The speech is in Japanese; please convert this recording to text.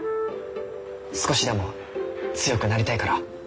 少しでも強くなりたいから。